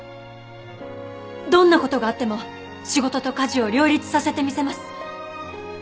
どんな事があっても仕事と家事を両立させてみせます。